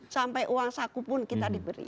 sampai uang saku pun kita diberi